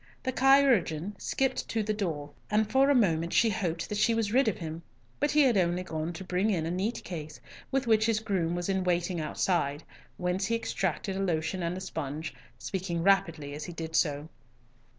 The chirurgeon skipped to the door, and for a moment she hoped that she was rid of him, but he had only gone to bring in a neat case with which his groom was in waiting outside, whence he extracted a lotion and sponge, speaking rapidly as he did so.